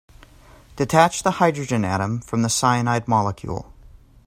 Detach the hydrogen atom from the cyanide molecule.